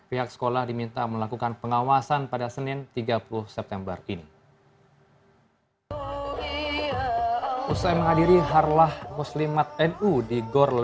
pihak sekolah diminta melakukan pengawasan pada senin tiga puluh september ini